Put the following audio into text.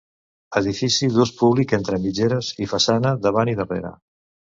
Edifici d'ús públic entre mitgeres i façana davant i darrere.